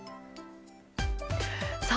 さあ